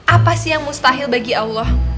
apa sih yang mustahil bagi allah